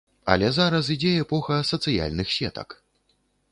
Але зараз ідзе эпоха сацыяльных сетак.